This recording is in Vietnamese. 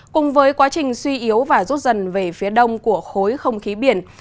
cùng với quá trình suy yếu và rút dần về phía đông của khối không khí biển